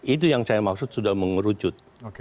itu yang saya maksud sudah mengerucut